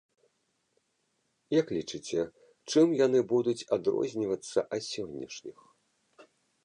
Як лічыце, чым яны будуць адрознівацца ад сённяшніх?